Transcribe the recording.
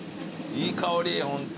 いい香りホント。